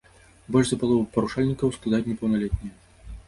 Больш за палову парушальнікаў складаюць непаўналетнія.